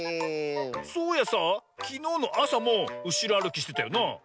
そういやさあきのうのあさもうしろあるきしてたよな。